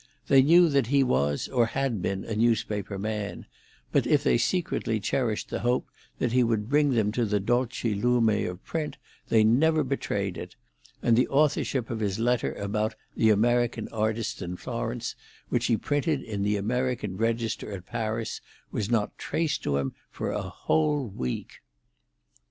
They knew that he was or had been a newspaper man; but if they secretly cherished the hope that he would bring them to the dolce lume of print, they never betrayed it; and the authorship of his letter about the American artists in Florence, which he printed in the American Register at Paris, was not traced to him for a whole week.